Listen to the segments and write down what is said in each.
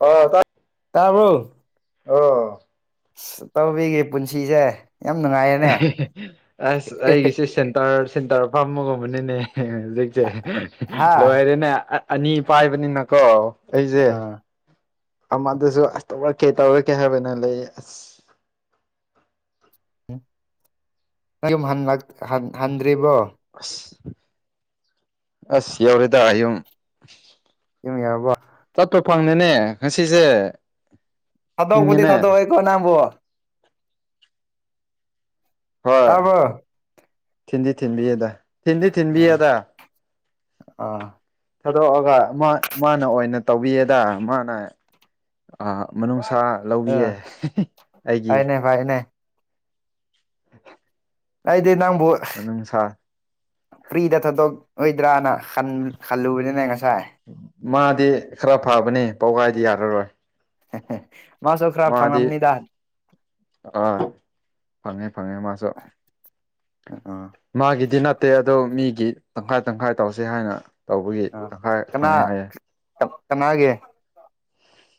ꯑꯣ ꯇꯥꯏ ꯇꯥꯕ꯭ꯔꯣ ꯑꯣ ꯏꯇꯥꯎꯕꯤꯒꯤ ꯄꯨꯟꯁꯤꯁꯦ ꯌꯥꯝ ꯅꯨꯡꯉꯥꯏꯔꯅꯦ ꯑꯁ ꯑꯩꯒꯤ ꯁꯦꯟ ꯇꯔ ꯁꯤꯇꯔ ꯐꯝꯕꯒꯨꯝꯕꯅꯤꯅꯦ ꯍꯧꯖꯤꯛꯁꯦ ꯍꯥ ꯂꯣꯏꯔꯦꯅꯦ ꯑꯅꯤ ꯄꯥꯏꯕꯅꯤꯅꯀꯣ ꯑꯩꯁꯦ ꯑꯥ ꯑꯃꯗꯨꯁꯨ ꯑꯁ ꯇꯧꯔꯛꯀꯦ ꯇꯧꯔꯛꯀꯦ ꯍꯥꯏꯕꯅ ꯂꯩꯌꯦ ꯑꯁ ꯅꯪ ꯌꯨꯝ ꯍꯟꯂꯛ ꯍꯟ ꯍꯟꯗ꯭ꯔꯤꯕꯣ ꯑꯁ ꯑꯁ ꯌꯧꯔꯦꯗ ꯌꯨꯝ ꯌꯨꯝ ꯌꯧꯔꯕꯣ ꯆꯠꯄ ꯐꯪꯅꯤꯅꯦ ꯉꯁꯤꯁꯦ ꯊꯥꯗꯣꯛꯄꯨꯗꯤ ꯊꯤꯡꯉꯤꯅꯦ ꯊꯥꯗꯣꯛꯑꯣꯏꯀꯣ ꯅꯪꯕꯨ ꯍꯣꯏ ꯇꯥꯕ꯭ꯔꯣ ꯊꯤꯟꯗꯤ ꯊꯤꯟꯕꯤꯌꯦꯗ ꯊꯤꯟꯗꯤ ꯑ ꯊꯤꯟꯕꯤꯌꯦꯗ ꯑꯥ ꯊꯥꯗꯣꯛꯑꯒ ꯃꯥ ꯃꯥꯅ ꯑꯣꯏꯅ ꯇꯧꯕꯤꯌꯦꯗ ꯃꯥꯅ ꯑ ꯃꯅꯨꯡꯁꯥ ꯑꯥ ꯂꯧꯔꯤꯌꯦ ꯑꯩꯒꯤ [unintelligible] ꯑꯩꯗꯤ ꯅꯪꯕꯨ ꯃꯅꯨꯡꯁꯥ ꯐ꯭ꯔꯤꯗ ꯊꯥꯗꯣꯛ ꯑꯣꯏꯗ꯭ꯔꯅ ꯈꯜ ꯈꯜꯂꯨꯕꯅꯤꯅꯦ ꯉꯁꯥꯏ ꯃꯥꯗꯤ ꯈꯔ ꯐꯕꯅꯤ ꯄꯥꯎꯒꯥꯏꯗꯤ ꯌꯥꯔꯔꯣꯏ [unintelligible] ꯃꯥꯗꯤ ꯐꯪꯉꯝꯅꯤꯗ ꯑꯥ ꯐꯪꯉꯦ ꯐꯪꯉꯦ ꯃꯥꯁꯨ [unintelligible] ꯃꯥꯒꯤꯗꯤ ꯅꯠꯇꯦ ꯑꯗꯣ ꯃꯤꯒꯤ ꯇꯪꯈꯥꯏ ꯇꯪꯈꯥꯏ ꯇꯧꯁꯦ ꯍꯥꯏꯅ ꯇꯧꯕꯒꯤ ꯑ ꯇꯪꯈꯥꯏ ꯀꯅꯥ ꯐꯪꯉꯦ ꯍꯥꯏꯌꯦ ꯀꯅꯥꯒꯤ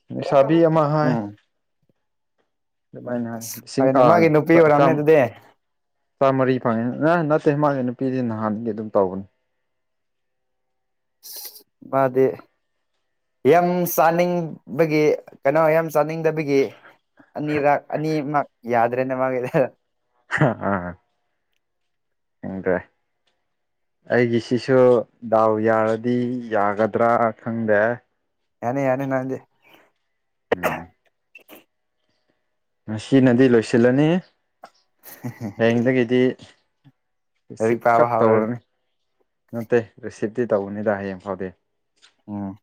ꯂꯩꯁꯥꯕꯤ ꯑꯃ ꯍꯥꯏ ꯎꯝ ꯑꯗꯨꯃꯥꯏꯅ ꯑꯁ ꯂꯤꯁꯤꯡ ꯐꯩꯅꯦ ꯑ ꯃꯥꯒꯤ ꯅꯨꯄꯤ ꯑꯣꯏꯔꯝꯅꯤ [unintelligible] ꯑꯗꯨꯗꯤ ꯆꯥꯝꯃꯔꯤ ꯐꯪꯉꯤ ꯑ ꯅꯠꯇꯦ ꯃꯥꯒꯤ ꯅꯨꯄꯤꯗꯤ ꯅꯍꯥꯟꯒꯤ ꯑꯗꯨꯝ ꯇꯧꯕꯅꯤ ꯃꯥꯗꯤ ꯌꯥꯝ ꯆꯥꯅꯤꯡꯕꯒꯤ ꯀꯩꯅꯣ ꯌꯥꯝ ꯆꯥꯅꯤꯡꯗꯕꯒꯤ ꯑꯅꯤꯔꯛ ꯑꯅꯤꯃꯛ ꯌꯥꯗ꯭ꯔꯦꯅꯦ ꯃꯥꯒꯤ [unintelligible] ꯑꯥ ꯍꯪꯗ꯭ꯔꯦ ꯑꯩꯒꯤꯁꯤꯁꯨ ꯗꯥꯎ ꯌꯥꯔꯗꯤ ꯌꯥꯒꯗ꯭ꯔꯥ ꯈꯪꯗꯦ ꯌꯥꯅꯤ ꯌꯥꯅꯦ ꯅꯪꯗꯤ ꯎꯝ ꯉꯁꯤꯅꯗꯤ ꯂꯣꯏꯁꯤꯜꯂꯅꯤ ꯍꯌꯦꯡꯗꯒꯤꯗꯤ ꯂꯥꯏꯔꯤꯛ ꯔꯤꯁꯤꯞ ꯄꯥꯕ ꯈꯛ ꯍꯧꯔ ꯇꯧꯔꯅꯤ ꯅꯠꯇꯦ ꯔꯤꯁꯤꯞꯇꯤ ꯇꯧꯕꯅꯤꯗ ꯍꯌꯦꯡ ꯐꯥꯎꯗꯤ ꯎꯝ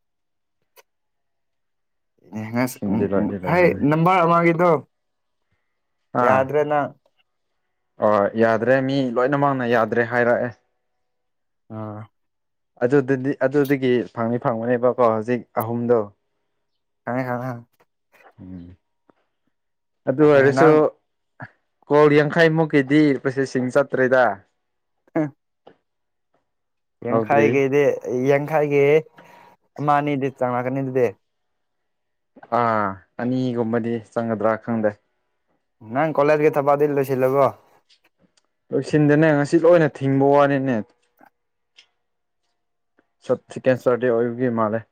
ꯁꯤꯡꯗꯤ ꯂꯣꯏꯗꯤ [unintelligible] ꯍꯥꯏ ꯂꯣꯏꯈ꯭ꯔꯅꯤ ꯅꯝꯕꯔ ꯑꯃꯒꯤꯗꯣ ꯌꯥꯗ꯭ꯔꯦ ꯅꯪ ꯑ ꯌꯥꯗ꯭ꯔꯦ ꯃꯤ ꯂꯣꯏꯅꯃꯛꯅ ꯌꯥꯗ꯭ꯔꯦ ꯍꯥꯏꯔꯛꯑꯦ ꯑ ꯑꯗꯨꯗꯗꯤ ꯑꯗꯨꯗꯒꯤ ꯐꯪꯅꯤ ꯐꯪꯕꯅꯦꯕꯀꯣ ꯍꯧꯖꯤꯛ ꯑꯍꯨꯝꯗꯣ [unintelligible] ꯎꯝ ꯑꯗꯨ ꯑꯩꯈꯣꯏ ꯑꯣꯏꯔꯁꯨ ꯅꯪ ꯀꯣꯜ ꯌꯥꯡꯈꯩ ꯃꯨꯛꯀꯤꯗꯤ ꯄꯔꯣꯁꯦꯁꯤꯡ ꯆꯠꯇ꯭ꯔꯦꯗ [unintelligible] [inaudible] ꯌꯥꯡꯈꯥꯏꯒꯤꯗꯤ ꯌꯥꯡꯈꯥꯏꯒꯤ ꯑꯃ ꯑꯅꯤꯗꯤ ꯆꯥꯉꯛꯀꯅꯤ ꯑꯗꯨꯗꯤ ꯑꯥ ꯑꯅꯤꯒꯨꯝꯕꯗꯤ ꯆꯪꯒꯗ꯭ꯔꯥ ꯈꯪꯗꯦ ꯅꯪ ꯀꯣꯂꯦꯖꯒꯤ ꯊꯕꯛꯇꯤ ꯂꯣꯏꯁꯤꯜꯂꯕꯣ ꯂꯣꯏꯁꯤꯟꯗꯦꯅꯦ ꯉꯁꯤ ꯂꯣꯏꯅ ꯊꯤꯡꯕ ꯋꯥꯅꯤꯅꯦ ꯁꯠ ꯁꯦꯀꯦꯟꯁꯔꯗꯦ ꯑꯣꯏꯕꯒꯤ ꯃꯥꯜꯂꯦ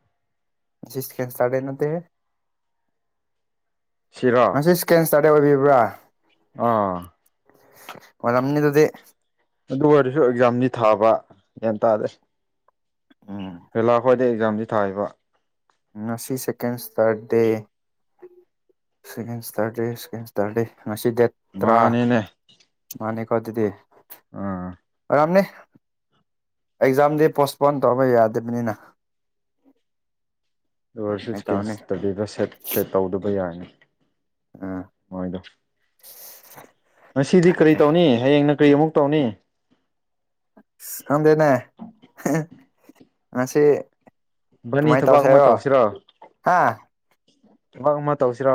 [unintelligible] ꯅꯠꯇꯦ ꯁꯤꯔꯣ ꯉꯁꯤ ꯏꯁ꯭ꯀꯦꯟꯁꯠ ꯑꯣꯏꯕꯤꯕ꯭ꯔꯥ ꯑꯥ ꯑꯣꯔꯝꯅꯤ ꯑꯗꯨꯗꯤ ꯑꯗꯨ ꯑꯣꯏꯔꯁꯨ ꯑꯦꯛꯖꯥꯝꯅꯤ ꯊꯥꯕ ꯭ꯌꯥꯟ ꯇꯥꯗꯦ ꯎꯝ ꯄꯦꯂꯥꯈ꯭ꯣꯏꯗꯤ ꯑꯦꯛꯖꯥꯝꯁꯤ ꯊꯥꯔꯤꯕ ꯉꯁꯤ ꯁꯦꯀꯦꯟꯁꯇꯥꯔꯠ ꯗꯦ ꯁꯦꯀꯦꯟ ꯁꯇꯔꯗꯦ ꯁꯦꯀꯦꯟ ꯁꯇꯔꯗꯦ ꯉꯁꯤ ꯗꯦꯠ ꯇ꯭ꯔꯥ ꯃꯥꯅꯤꯅꯦ ꯃꯥꯅꯦꯀꯣ ꯑꯗꯨꯗꯤ ꯎꯝ ꯌꯥꯝꯅꯦ ꯑꯦꯛꯖꯥꯝꯗꯤ ꯄꯣꯁꯄꯣꯟ ꯇꯧꯋꯦ ꯌꯥꯗꯕꯅꯤꯅ ꯗꯔꯁꯨ ꯑꯗꯨꯃꯥꯏꯅ ꯇꯧꯔꯅꯤ ꯏꯁꯀꯤꯟꯁꯇꯕꯤꯗ ꯁꯦꯠ ꯁꯦꯠ ꯇꯧꯗꯕ ꯌꯥꯏꯅꯦ ꯑꯥ ꯃꯣꯏꯗꯣ ꯉꯁꯤꯗꯤ ꯀꯔꯤ ꯇꯧꯅꯤ ꯍꯌꯦꯡꯅ ꯀꯔꯤ ꯑꯃꯨꯛ ꯇꯧꯅꯤ ꯈꯪꯗꯦꯅꯦ ꯍꯥꯍꯥ ꯉꯁꯤ ꯏꯕꯥꯅꯤ ꯇꯨꯃꯥꯏ ꯊꯕꯛ ꯑꯃ ꯇꯧꯁꯦꯔꯣ ꯇꯧꯁꯤꯔꯣ ꯍꯥ ꯕꯥꯛ ꯑꯃ ꯇꯧꯁꯤꯔꯣ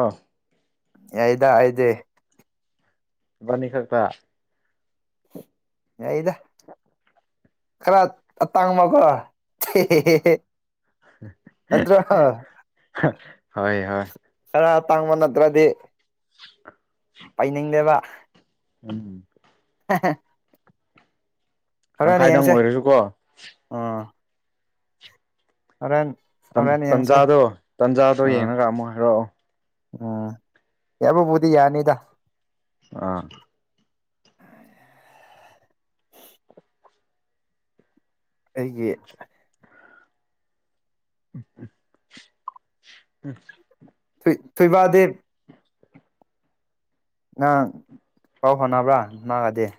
ꯌꯥꯏꯗ ꯑꯩꯗꯤ ꯕꯥꯅꯤ ꯈꯛꯇꯥ ꯌꯩꯗ ꯈꯔ ꯑꯇꯥꯡꯕꯀꯣ ꯑꯥ ꯅꯠꯇ꯭ꯔꯣ ꯍꯣꯏ ꯍꯣꯏ ꯈꯔ ꯇꯥꯡꯕ ꯅꯠꯇ꯭ꯔꯗꯤ [unintelligible] ꯄꯥꯏꯅꯤꯡꯗꯦꯕ ꯎꯝ ꯍ ꯍꯧꯔꯦꯟ ꯇꯪꯈꯥꯏꯗꯪ ꯌꯦꯡꯁꯦ ꯑꯣꯏꯔꯁꯨꯀꯣ ꯑꯪ ꯍꯔꯦꯟ ꯇꯟꯖꯥꯗꯣ ꯇꯟꯖꯥꯗꯣ ꯌꯦꯡꯉꯥꯒ ꯑꯃꯨꯛ ꯍꯥꯏꯔꯛꯑꯣ ꯎꯝ ꯌꯥꯕꯕꯨꯗꯤ ꯌꯥꯅꯤꯗ ꯑꯥ ꯑꯩꯒꯤ [unintelligible] ꯑ ꯊ ꯊ꯭ꯣꯏꯏꯕꯥꯗꯦ ꯅꯪ ꯄꯥꯎ ꯍꯣꯠꯅꯕ꯭ꯔꯥ ꯃꯥꯒꯗꯤꯦ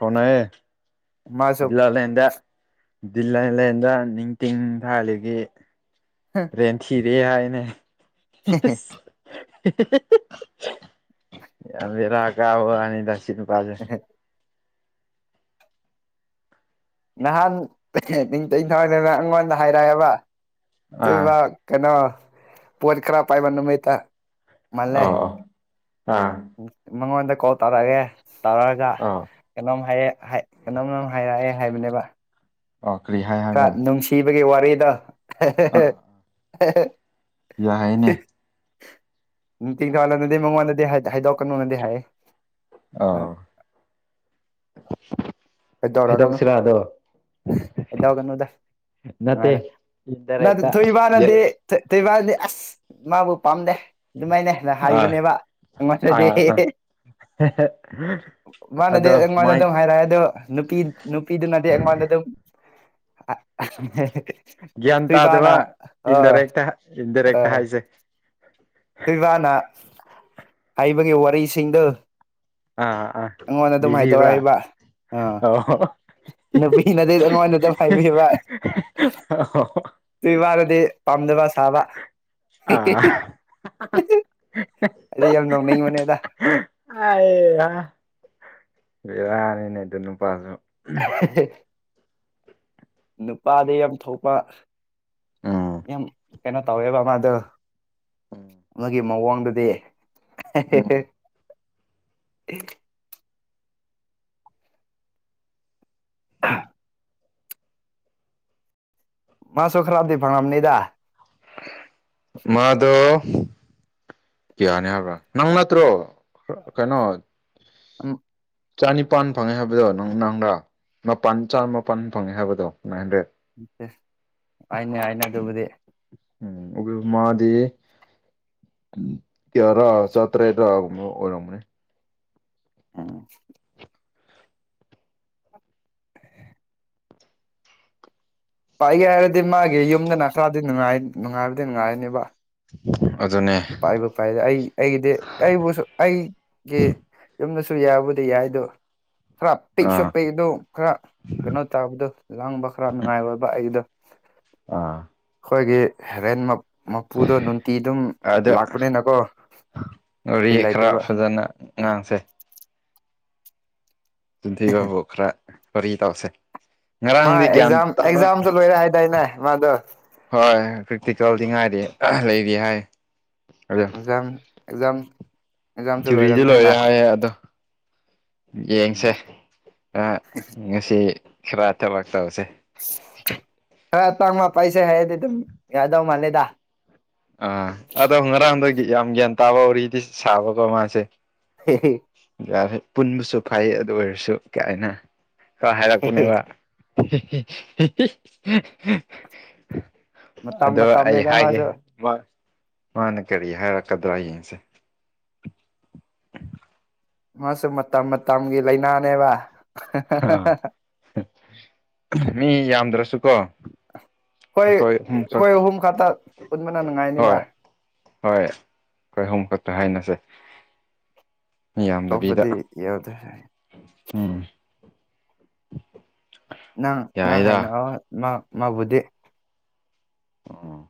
ꯑꯣꯅꯌꯦ ꯃꯥꯁꯨ ꯗꯌꯨꯂꯥꯂꯦꯟꯗ ꯗꯤꯂꯂꯦꯟꯗ ꯅꯤꯡꯇꯤ ꯊꯥꯜꯂꯤꯒꯤ ꯔꯦꯟ ꯊꯤ ꯀꯦ ꯍꯥꯏꯅꯦ ꯌꯥꯝꯕꯤꯔ ꯀꯕ ꯑꯅꯤ ꯗꯁꯤꯟꯄꯥꯖ ꯉꯍꯥꯟ [unintelligible] ꯑꯩꯉꯣꯟꯗ ꯍꯥꯏꯔꯛꯑꯦꯕ ꯑꯥ ꯇꯣꯏꯕ ꯀꯩꯅꯣ ꯄꯣꯠ ꯈꯔ ꯄꯥꯏꯕ ꯅꯨꯃꯤꯠ ꯇ ꯃꯥꯜꯂꯦ ꯑꯧ ꯑꯧ ꯑꯥ ꯃꯉꯣꯟꯗ ꯀꯣꯜ ꯇꯧꯔꯛꯑꯒꯦ ꯇꯧꯔꯛꯒ ꯑꯧ ꯀꯩꯅꯣꯝ ꯍꯥꯏꯔꯦ ꯀꯩꯅꯣꯝꯅꯝ ꯍꯥꯏꯔꯛꯑꯦ ꯍꯥꯏꯕꯅꯦꯕ ꯑꯣ ꯀ꯭ꯔꯤ ꯍꯥꯏ ꯀ ꯍꯥꯏꯕ꯭ꯔꯥ ꯅꯨꯡꯁꯤꯕꯒꯤ ꯋꯥꯔꯤꯗ ꯌꯥꯢꯍꯅꯦ [unintelligible] ꯃꯪꯅꯣꯟꯗꯗꯤ ꯍꯥꯏ ꯍꯥꯏꯗꯣ ꯀꯥꯅꯣ ꯍꯥꯏꯑꯦ ꯑꯥ [unintelligible] ꯀꯩꯗꯧꯔꯒꯅꯨ ꯍꯥꯏꯗꯣꯛꯁꯤꯔꯥ ꯑꯗꯣ ꯀꯩꯗꯧꯒꯅꯨꯗ ꯅꯠꯇꯦ ꯅꯨꯡꯉꯥꯏꯔꯦ ꯅꯠ ꯏꯟꯗꯥꯏꯔꯦꯛꯇ ꯊꯣꯏꯕ ꯅꯗꯤ ꯇꯩꯕꯥꯗꯤ ꯑꯁ ꯃꯥꯕꯨ ꯄꯥꯝꯗꯦ ꯑꯗꯨꯃꯥꯏꯅ ꯑ ꯑꯥ ꯍꯥꯏꯕꯅꯦꯕ ꯃꯗꯤ ꯑꯥ ꯑꯥ ꯃꯥꯅꯗꯤ ꯑꯗꯣ ꯑꯗꯨꯃꯥꯏꯅ ꯃꯥꯏ ꯑꯗꯨꯝ ꯍꯥꯏꯔꯛꯑꯗꯣ ꯅꯨꯄꯤ ꯅꯨꯄꯤꯗꯨꯅꯗꯤ ꯑꯩꯉꯣꯟꯗ ꯑꯗꯨꯝ ꯒ꯭ꯌꯥꯟ ꯇꯏꯕꯥꯅ ꯇꯥꯗꯕ ꯑ ꯏꯟꯗꯥꯏꯔꯦꯛꯇ ꯑ ꯏꯟꯗꯥꯏꯔꯦꯛꯇ ꯍꯥꯏꯁꯦ ꯁꯤꯕꯥꯅ ꯍꯥꯏꯕꯒꯤ ꯋꯥꯔꯤꯁꯤꯡꯗꯨ ꯑꯥ ꯑꯥ ꯂꯤꯕꯤꯕ꯭ꯔꯥ ꯍꯥꯏꯗꯣꯛꯑꯦꯕ ꯑꯥ ꯑꯣ ꯅꯨꯄꯤꯅꯗꯤ ꯑꯩꯉꯣꯟꯗ ꯑꯗꯨꯝ ꯍꯥꯏꯕꯤꯕ ꯇꯨꯏꯕꯅꯗꯤ ꯄꯥꯝꯗꯕꯁ ꯇꯥꯕ ꯑꯥ ꯑꯩꯗꯤ ꯌꯥꯝ ꯅꯧꯅꯤꯡꯕꯅꯦꯗ ꯑꯥꯢꯌꯥ ꯕꯤꯔꯥꯅꯤꯅꯦ ꯑꯗꯨ ꯅꯨꯄꯥꯁꯨ ꯍꯦꯍꯦ ꯅꯨꯄꯥꯗꯤ ꯌꯥꯝ ꯊꯣꯛꯄ ꯎꯝ ꯌꯥꯝ ꯀꯩꯅꯣ ꯇꯧꯋꯦꯕ ꯃꯥꯗ ꯑꯃꯒꯤꯒꯤ ꯃꯑꯣꯡꯗꯨꯗꯤ ꯎꯝ [unintelligible] ꯎꯝ ꯃꯥꯁꯨ ꯈꯔꯥꯞꯗꯤ ꯐꯪꯉꯝꯅꯤꯗꯗꯥ ꯃꯥꯗꯣ ꯌꯥꯔꯅꯤ ꯍꯥꯏꯕ꯭ꯔꯥ ꯅꯪ ꯅꯠꯇ꯭ꯔꯣ ꯀꯩꯅꯣ ꯑ ꯆꯅꯤꯄꯥꯟ ꯐꯪꯉꯦ ꯍꯥꯏꯕꯗꯣ ꯅꯪꯗ ꯃꯄꯥꯟ ꯆꯃꯄꯜ ꯐꯪꯉꯦ ꯍꯥꯏꯕꯗꯣ ꯅꯥꯏꯟ ꯍꯟꯗ꯭ꯔꯦꯠ ꯍꯥꯏꯅꯦ ꯍꯥꯏꯅꯦ ꯑꯗꯨꯕꯨꯗꯤ ꯎꯝ ꯎ ꯃꯗꯤ ꯔ ꯆꯠꯇ꯭ꯔꯦꯔꯒ ꯑꯣꯔꯥꯎꯅꯦ ꯑꯝ ꯄꯥꯏꯒꯦ ꯍꯥꯏꯔꯗꯤ ꯃꯥꯒꯤ ꯌꯨꯝꯗꯅ ꯈꯔꯗꯤꯅꯨꯡꯉꯥꯏ ꯅꯨꯡꯉꯥꯏꯕꯗꯤ ꯅꯨꯡꯉꯥꯏꯅꯦꯕ ꯑꯗꯨꯅꯦ ꯄꯥꯏꯕ ꯄꯥꯏꯗ ꯑꯩ ꯑꯩꯒꯤꯗꯤ ꯑꯩꯕꯨꯁꯨ ꯑꯩꯒꯤ ꯌꯨꯝꯗꯁꯨ ꯌꯥꯕꯨꯗꯤ ꯌꯥꯏꯗ ꯈꯔ ꯄꯤꯛꯁꯨ ꯑꯥ ꯄꯤꯛ ꯑꯗꯨ ꯈꯔ ꯀꯩꯅꯣ ꯇꯥꯕꯗꯣ ꯂꯥꯡꯕ ꯈꯔ ꯅꯨꯡꯉꯥꯏꯔꯕ ꯑꯩꯗꯣ ꯑꯥ ꯑꯩꯈꯣꯏꯒꯤ ꯍꯦꯔꯦꯟ ꯃꯄꯨꯗꯣ ꯅꯨꯡꯇꯤꯗꯨꯝ ꯑꯗꯣ ꯔꯤ ꯕꯤꯜ ꯈꯔ ꯂꯩꯇꯦꯕ ꯐꯖꯅ ꯉꯥꯡꯁꯦ ꯤꯟꯊꯤ ꯕꯨ ꯈꯔ ꯋꯥꯔꯤ ꯇꯧꯁꯦ ꯃꯥ ꯉꯔꯥꯡꯗꯤ ꯒ꯭ꯌꯥꯟ ꯑꯦꯛꯖꯥꯝ ꯇꯥꯕ ꯑꯦꯛꯖꯥꯝꯁꯨ ꯂꯣꯏꯔꯦ ꯍꯥꯏꯗꯥꯏꯅꯦ ꯃꯥꯗꯣ ꯍꯣꯏ ꯄ꯭ꯔꯦꯛꯇꯤꯀꯦꯜꯗꯤ ꯉꯥꯏꯔꯤ ꯂꯩꯔꯤ ꯍꯥꯏ ꯑꯣ ꯑꯦꯛꯖꯥꯝ ꯑꯦꯛꯖꯥꯝ ꯑꯦꯛꯖꯥꯝꯁꯨ ꯖꯤꯕꯔꯤꯗꯤ ꯂꯣꯏꯔꯦ ꯂꯣꯏꯔꯕꯅꯤꯅ ꯍꯥꯏꯌꯦꯦ ꯑꯗꯣ ꯌꯦꯡꯁꯦ ꯎꯝ ꯑ ꯌꯦ ꯁꯤ ꯈꯔ ꯊꯂꯛ ꯇꯧꯁꯦ ꯈꯔ ꯄꯥꯡꯃ ꯄꯥꯏꯁꯦ ꯍꯥꯏꯔꯗꯤ ꯑꯗꯨꯝ ꯌꯥꯗꯧ ꯃꯥꯜꯂꯦꯗ ꯑꯥ ꯑꯗꯣ ꯉꯔꯥꯡꯗꯣ ꯌꯥꯝ ꯒ꯭ꯌꯥꯟ ꯇꯥꯕ ꯍꯧꯔꯤꯗꯤ ꯁꯥꯕꯀꯣ ꯃꯥꯁꯦ [unintelligible] ꯄꯨꯟꯕꯁꯨ ꯐꯩ ꯑꯗꯨ ꯑꯣꯏꯔꯁꯨ ꯀ ꯍꯥꯏꯅ ꯍꯥꯏꯔꯛꯄꯅꯦꯕ [inaudible] ꯃꯇꯝ ꯑꯗꯣ ꯑꯩ ꯃꯇꯝꯅꯤꯗ ꯍꯥꯏꯒꯦ ꯃꯥꯁꯨ ꯃꯥꯅ ꯀꯔꯤ ꯍꯥꯏꯔꯛꯀꯗ꯭ꯔꯣ ꯌꯦꯌꯦꯡꯁꯦ ꯃꯥꯁꯨ ꯃꯇꯝ ꯃꯇꯝꯒꯤ ꯂꯥꯏꯅꯥꯅꯦꯕ ꯃꯤ ꯌꯥꯝꯗ꯭ꯔꯁꯨ ꯀꯣ ꯍꯣꯏ ꯑꯩꯈꯣꯏ ꯑꯍꯨꯝ ꯈꯛꯇ ꯄꯨꯟꯕꯅ ꯍꯣꯏ ꯅꯨꯡꯉꯥꯏꯅꯤꯗ ꯍꯣꯏ ꯑꯩꯈꯣꯏꯍꯨꯝ ꯈꯛꯇ ꯍꯥꯏꯅꯁꯦ ꯃꯤꯌꯥꯝꯗꯕꯤꯗ ꯑꯇꯣꯞꯄꯗꯤ ꯌꯥꯎꯗꯦ ꯎꯝ ꯅꯪ ꯅꯪ ꯌꯥꯏꯗ ꯍꯥꯏꯅꯑꯣ ꯃꯥꯕꯨꯗꯤ ꯎꯝ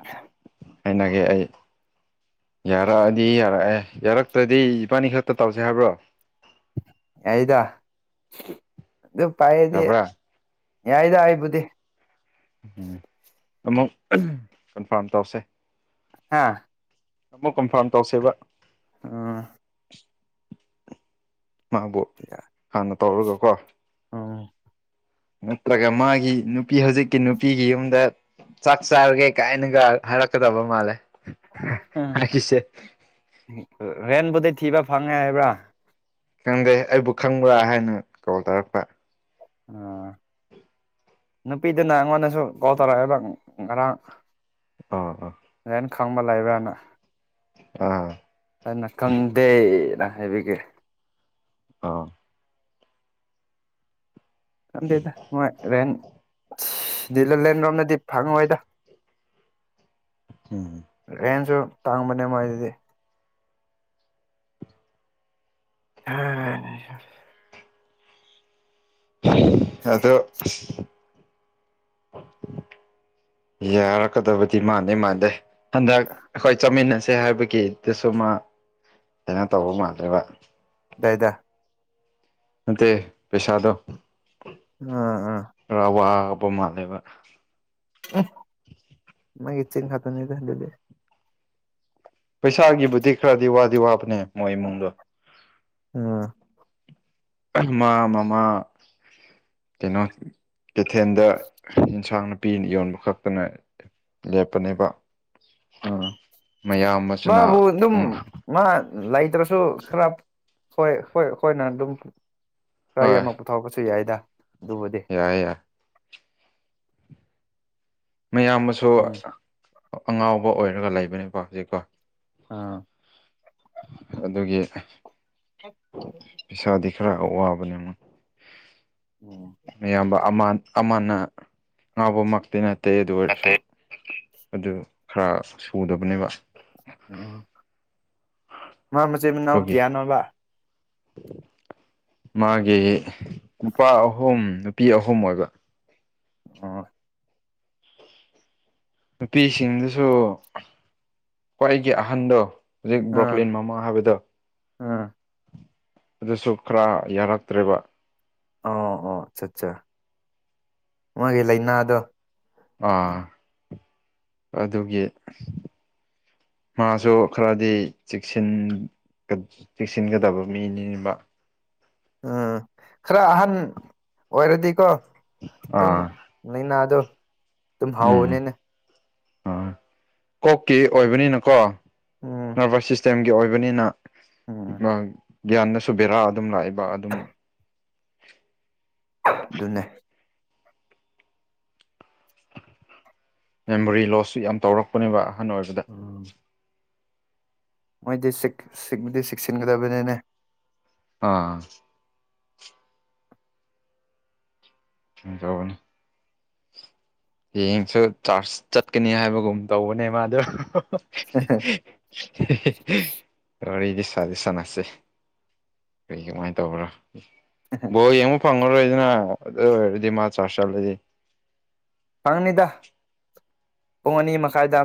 ꯑ ꯍꯥꯏꯅꯒꯦ ꯑꯩ ꯌꯥꯔꯛꯑꯗꯤ ꯌꯥꯔꯛꯑꯦ ꯌꯥꯔꯛꯇ꯭ꯔꯗꯤ ꯏꯕꯥꯅꯤ ꯈꯛꯇ ꯇꯧꯁꯦ ꯍꯥꯏꯕ꯭ꯔꯣ ꯌꯥꯏꯗ ꯑꯗꯨ ꯄꯥꯏꯔꯗꯤ ꯌꯥꯕ꯭ꯔꯥ ꯌꯥꯏꯗ ꯑꯩꯕꯨꯗꯤ ꯎꯝ ꯑꯃꯨꯛ ꯀꯟꯐꯥꯔꯝ ꯇꯧꯁꯦ ꯍꯥꯥ ꯑꯃꯨꯛ ꯀꯟꯐꯥꯔꯝ ꯇꯧꯁꯦꯕ ꯑ ꯃꯥꯕꯨ [inaudible] ꯍꯥꯟꯅ ꯇꯧꯔꯒꯀꯣ ꯎꯝ ꯅꯠꯇ꯭ꯔꯒ ꯃꯥꯒꯤ ꯅꯨꯄꯤ ꯍꯧꯖꯤꯛꯀꯤ ꯅꯨꯄꯤꯒꯤ ꯌꯨꯝꯗ ꯆꯥꯛ ꯆꯥꯔꯒꯦ ꯀꯥꯏꯅꯒ ꯍꯥꯏꯔꯛꯀꯗꯕ ꯃꯥꯜꯂꯦ ꯃꯥꯏꯁꯦ ꯔꯦꯟꯕꯨꯗꯤ ꯊꯤꯕ ꯐꯪꯉꯦ ꯍꯥꯏꯕ꯭ꯔꯥ ꯈꯪꯗꯦ ꯑꯩꯕꯨ ꯈꯪꯕ꯭ꯔꯥ ꯍꯥꯏꯅ ꯀꯣꯜ ꯇꯧꯔꯛꯄ ꯑ [inaudible] ꯅꯨꯄꯤꯗꯨꯅ ꯑꯩꯉꯣꯟꯗꯁꯨ ꯀꯣꯜ ꯇꯧꯔꯛꯑꯦꯕ ꯉꯔꯥꯡ ꯑ ꯑ ꯔꯦꯟ ꯈꯪꯕ ꯂꯩꯕ꯭ꯔꯥꯅ ꯑ ꯑꯩꯅ ꯈꯪꯗꯦꯅ ꯍꯥꯏꯕꯒꯤ ꯑ ꯈꯪꯗꯦꯗ ꯃꯣꯏ ꯔꯦꯟ ꯗꯨꯏꯂꯥꯂꯦꯟ ꯂꯣꯝꯗꯗꯤ ꯐꯪꯉꯣꯏꯗ ꯎꯝ ꯔꯦꯟꯁꯨ ꯇꯥꯡꯕꯅꯦ ꯃꯣꯏ ꯑꯗꯨꯗꯤ ꯍ ꯑꯗꯣ ꯌꯥꯔꯛꯀꯗꯕꯗꯤ ꯃꯥꯟꯗꯤ ꯃꯥꯟꯗꯦ ꯍꯟꯗꯛ ꯑꯩꯈꯣꯏ ꯆꯠꯃꯤꯟꯅꯁꯦ ꯍꯥꯏꯕꯒꯤꯗꯨꯁꯨ ꯃꯥ ꯀꯩꯅꯣ ꯇꯧꯕ ꯃꯥꯜꯂꯦꯕ ꯀꯗꯥꯏꯗ ꯅꯠꯇꯦ ꯄꯩꯁꯥꯗꯣ ꯑ ꯑ ꯈꯔ ꯋꯥꯕ ꯃꯥꯜꯂꯦꯕ ꯃꯥꯒꯤ ꯆꯤꯟ ꯈꯇꯅꯤꯗ ꯑꯗꯨꯗꯤ ꯄꯩꯁꯥꯒꯤꯕꯨꯗꯤ ꯈꯔꯗꯤ ꯋꯥꯗꯤ ꯋꯥꯕꯅꯦ ꯃꯣꯏ ꯏꯃꯨꯡꯗꯣ ꯎꯝ ꯑꯃ ꯃꯃꯥ ꯀꯩꯅꯣ ꯀꯩꯊꯦꯜꯗ ꯑꯦꯟꯁꯥꯡꯅ ꯄꯤ ꯌꯣꯟꯕ ꯈꯛꯇꯅ ꯂꯦꯞꯄꯅꯦꯕ ꯑꯥ ꯃꯌꯥꯝꯕꯁꯤꯅ ꯃꯥꯕꯨ ꯑꯗꯨꯝ ꯎꯝ ꯃꯥ ꯂꯩꯇ꯭ꯔꯁꯨ ꯈꯔ ꯍꯣꯏ ꯍꯣꯏ ꯑꯩꯈꯣꯏꯅ ꯑꯗꯨꯝ ꯈꯔ ꯍꯣꯏ ꯌꯥꯝꯅ ꯄꯨꯊꯣꯔꯛꯄꯁꯨ ꯌꯥꯏꯗ ꯑꯗꯨꯕꯨꯗꯤ ꯌꯥꯏ ꯌꯥꯏ ꯃꯌꯥꯝꯕꯁꯨ ꯎꯝ ꯑꯉꯥꯎꯕ ꯑꯣꯏꯔꯒ ꯂꯩꯕꯅꯦꯀꯣ ꯍꯧꯖꯤꯛꯀꯣ ꯑꯥ ꯑꯗꯨꯒꯤ ꯄꯩꯁꯥꯗꯤ ꯈꯔ ꯋꯥꯕꯅꯦ ꯑꯣ ꯑꯌꯥꯝꯕ ꯑꯃꯅ ꯉꯥꯎꯕꯃꯛꯇꯤ ꯅꯠꯇꯦ ꯑꯗꯨ ꯑꯣꯏꯔꯁꯨ ꯑꯇꯩ ꯑꯗꯨ ꯈꯔ ꯁꯨꯗꯕꯅꯦꯕ ꯑꯣ ꯃꯥ ꯃꯆꯤꯟ ꯃꯅꯥꯎ ꯑꯗꯨꯒꯤ ꯀꯤꯌꯥꯅꯣꯕ ꯃꯥꯒꯤ ꯅꯨꯄꯥ ꯑꯍꯨꯝ ꯅꯨꯄꯤ ꯑꯍꯨꯝ ꯑꯣꯏꯕ [inaudible] ꯅꯨꯄꯤꯁꯤꯡꯗꯨꯁꯨ ꯈ꯭ꯋꯥꯏꯒꯤ ꯑꯍꯟꯗꯣ ꯍꯧꯖꯤꯛ ꯑꯥ ꯕ꯭ꯔꯣꯀꯂꯤꯟ ꯃꯃꯥ ꯍꯥꯏꯕꯗ ꯑꯥ ꯑꯗꯨꯁꯨ ꯈꯔ ꯌꯥꯔꯛꯇ꯭ꯔꯦꯕ ꯑꯣ ꯑꯣ ꯑꯆꯥ ꯑꯠꯆꯥ ꯃꯥꯒꯤ ꯂꯥꯏꯅꯥꯗꯣ ꯑꯥ ꯑꯗꯨꯒꯤ ꯃꯥꯁꯨ ꯈꯔꯗꯤ ꯆꯦꯛꯁꯤꯟ ꯆꯦꯛꯁꯤꯟꯒꯗꯕ ꯃꯤꯅꯤꯕ ꯎꯝ ꯈꯔ ꯑꯍꯟ ꯑꯣꯏꯔꯗꯤꯀꯣ ꯑꯗꯨꯝ ꯑꯥ ꯂꯩꯅꯥꯗꯣ ꯎꯝ ꯑ ꯀꯣꯛꯀꯤ ꯑꯣꯏꯕꯅꯤꯅꯀꯣ ꯎꯝ ꯅꯔꯚꯁ ꯁꯤꯁꯇꯦꯝꯒꯤ ꯑꯣꯏꯕꯅꯤꯅ ꯎꯝ ꯒ꯭ꯌꯥꯟꯗꯁꯨ ꯕꯦꯔꯥ ꯑꯗꯨꯝ ꯂꯥꯛꯏꯕ ꯕꯥ ꯑꯗꯨꯝ ꯑꯗꯨꯅꯦ ꯃꯦꯃꯣꯔꯤ ꯂꯣꯁꯁꯨ ꯌꯥꯝ ꯇꯧꯔꯛꯄꯅꯦꯕ ꯑꯍꯟ ꯑꯣꯏꯕꯗ ꯃꯣꯏꯗꯤ ꯆꯦꯛꯁꯤꯟꯒꯗꯕꯅꯤꯅꯦ ꯑꯥ ꯁꯤꯟ ꯇꯧꯕꯅꯤ ꯍꯌꯦꯡꯁꯨ ꯆꯥꯔꯆ ꯆꯠꯀꯅꯤ ꯍꯥꯏꯕꯒꯨꯝ ꯇꯧꯕꯅꯦ ꯃꯥꯗꯨ [unintelligible] ꯑꯔꯤꯗꯤ ꯁꯥꯗꯤ ꯁꯥꯟꯅꯁꯤꯦ ꯀꯔꯤ ꯀꯃꯥꯏꯅ ꯇꯧꯕ꯭ꯔꯥ ꯕꯣꯜ ꯌꯦꯡꯕ ꯐꯪꯉꯔꯣꯏꯗꯅ ꯑꯗꯨ ꯑꯣꯏꯔꯗꯤ ꯃꯥ ꯆꯥꯔꯆ ꯆꯠꯂꯗꯤ ꯐꯪꯉꯅꯤꯗ ꯄꯨꯡ ꯑꯅꯤ ꯃꯈꯥꯏꯗ